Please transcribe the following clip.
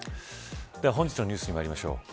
では、本日のニュースにまいりましょう。